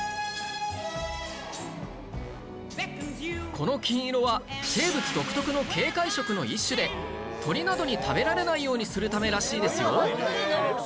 この金色は生物独特の警戒色の一種で鳥などに食べられないようにするためらしいですよ